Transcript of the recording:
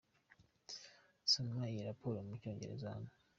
Soma iyo Raporo mu cyongereza hano